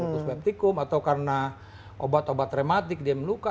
hukus pepticum atau karena obat obat rheumatik dia meluka